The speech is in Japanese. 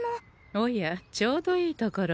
おやちょうどいいところに。